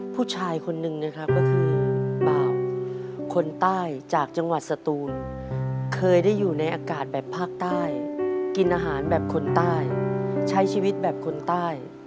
ผู้ชายคนนึงนะครับก็คือบ่าวคนใต้จากจังหวัดสตูนเคยได้อยู่ในอากาศแบบภาคใต้กินอาหารแบบคนใต้ใช้ชีวิตแบบคนใต้